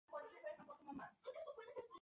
Pero es fugaz e imprevisible.